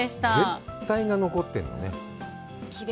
全体が残ってるんだね。